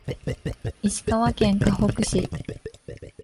石川県かほく市